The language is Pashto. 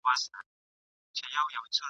څوک به ولي دښمني کړي د دوستانو ..